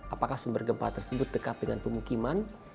apakah sumber gempa tersebut dekat dengan pemukiman